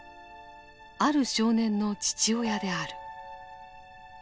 ある少年の父親である。